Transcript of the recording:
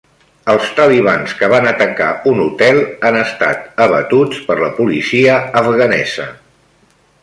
Els talibans que van atacar un hotel han estat abatuts per la policia afganesa